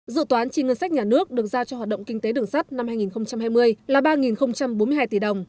dự toán chi ngân sách nhà nước được giao cho hoạt động kinh tế đường sắt năm hai nghìn hai mươi là ba bốn mươi hai tỷ đồng